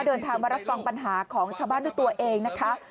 เดินทางมารับฟังปัญหาของชาวบ้านด้วยตัวเองนะคะ